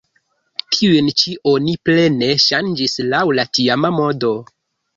Tiujn ĉi oni plene ŝanĝis laŭ la tiama modo.